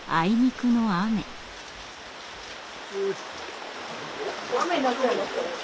雨になっちゃいましたね。